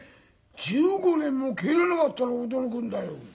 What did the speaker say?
１５年も帰らなかったら驚くんだよ。